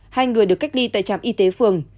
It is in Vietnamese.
hai người được cách ly tại trạm y tế phường